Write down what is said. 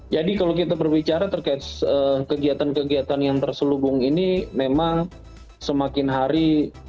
jadi kalau kita berbicara terkait kegiatan kegiatan yang terselubung ini memang semakin hari